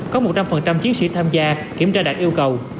có một trăm linh chiến sĩ tham gia kiểm tra đạt yêu cầu